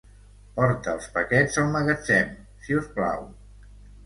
Porta els paquets al magatzem, si us plau.